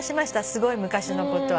すごい昔のこと。